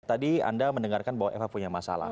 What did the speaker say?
tadi anda mendengarkan bahwa eva punya masalah